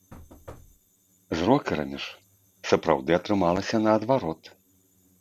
З рокерамі ж сапраўды атрымалася наадварот.